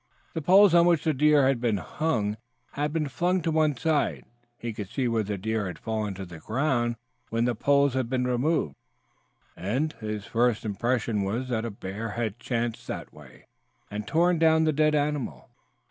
The poles on which the deer had been hung had been flung to one side. He could see where the deer had fallen to the ground when the poles had been removed, and his first impression was that a bear had chanced that way and torn down the dead animal.